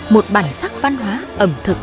một bản sắc văn hóa ẩm thực